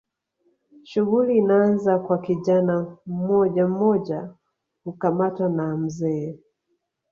Shughuli inaanza kwa kijana mmojammoja kukamatwa na mzee